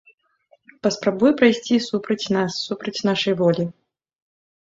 Паспрабуй пайсці супроць нас, супроць нашай волі.